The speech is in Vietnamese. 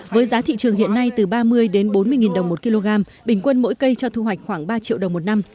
với giá thị trường hiện nay từ ba mươi đến bốn mươi nghìn đồng một kg bình quân mỗi cây cho thu hoạch khoảng ba triệu đồng một năm